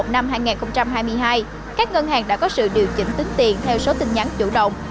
năm hai nghìn hai mươi hai các ngân hàng đã có sự điều chỉnh tính tiền theo số tin nhắn chủ động